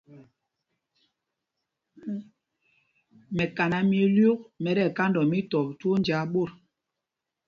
Mɛkaná mɛ ílyûk mɛ ti ɛkandɔɔ mítɔp twóó njāā ɓot.